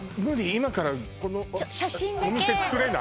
今からお店作れない？